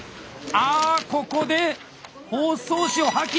あここで包装紙を破棄！